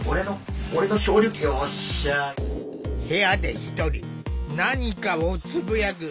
部屋で１人何かをつぶやく